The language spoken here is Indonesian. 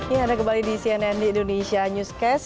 ya anda kembali di cnn indonesia newscast